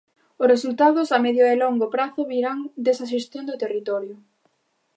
Os resultados a medio e longo prazo virán desa xestión do territorio.